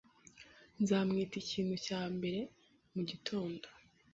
Nzamwita ikintu cya mbere mugitondo